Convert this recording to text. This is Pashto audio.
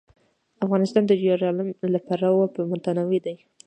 افغانستان د یورانیم له پلوه متنوع دی.